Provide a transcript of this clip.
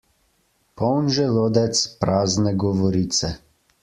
Poln želodec, prazne govorice.